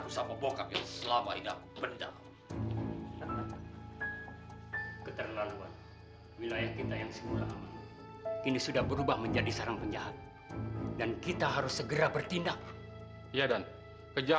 sampai jumpa di video selanjutnya